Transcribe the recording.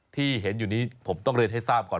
ที่เห็นอยู่นี้ผมต้องเรียนให้ทราบก่อน